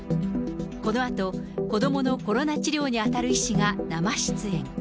このあと、子どものコロナ治療に当たる医師が生出演。